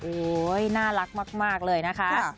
น่ารักมากเลยนะคะ